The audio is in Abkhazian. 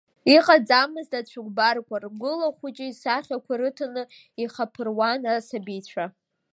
Иҟаӡамызт ацәыкәбарқәа, ргәыла хәыҷы исахьақәа рыҭаны ихаԥыруан асабицәа.